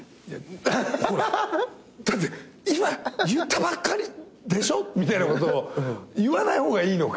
だって今言ったばっかりでしょみたいなことを言わない方がいいのか。